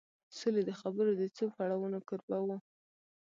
سولې د خبرو د څو پړاوونو کوربه و